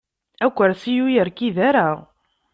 Akersi-a ur yerkid ara.